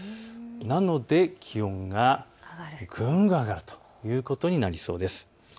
なので気温がぐんぐん上がるということになりそうです。